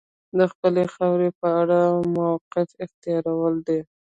د خپلې خاورې په اړه موقف اختیارول دي.